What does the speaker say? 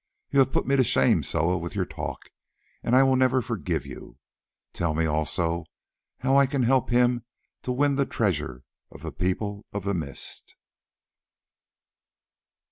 You have put me to shame, Soa, with your talk, and I will never forgive you. Tell me also how I can help to win the treasure of the People of the Mist!"